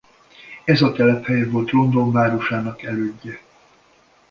Ez a telephely volt London városának elődje.